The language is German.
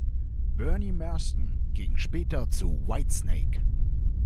Bernie Marsden ging später zu Whitesnake.